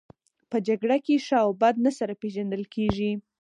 په جګړه کې ښه او بد نه سره پېژندل کیږي